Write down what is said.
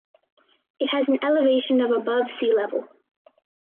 It has an elevation of above sea level.